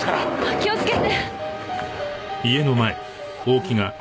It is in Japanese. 気をつけて！